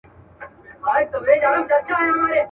یو چرسي ورته زنګیږي یو بنګي غورځوي څوڼي.